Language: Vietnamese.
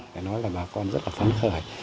phải nói là bà con rất là phấn khởi